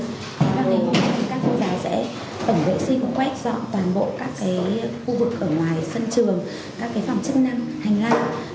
các cô giáo sẽ tổng vệ sinh quét dọn toàn bộ các khu vực ở ngoài sân trường các phòng chức năng hành lang